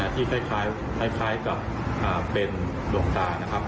ที่คล้ายกับเป็นดวงตานะครับ